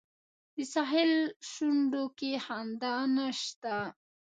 د ساحل شونډو کې خندا نشته